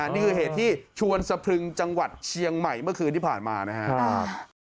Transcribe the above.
นี่คือเหตุที่ชวนสะพรึงจังหวัดเชียงใหม่เมื่อคืนที่ผ่านมานะครับ